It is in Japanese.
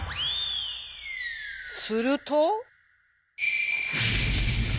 すると。